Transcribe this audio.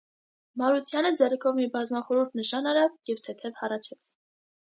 Մարությանը ձեռքով մի բազմախորհուրդ նշան արավ և թեթև հառաչեց: